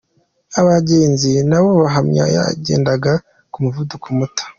Abagenzi na bo bahamya yagendaga ku muvuduko muto.